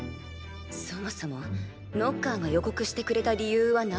そもそもノッカーが予告してくれた理由は何なのでしょう？